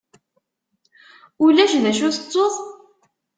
Ulac d acu tettuḍ?